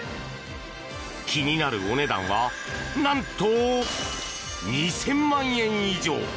気になるお値段はなんと２０００万円以上！